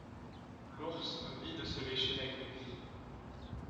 L’ours vit de se lécher la griffe.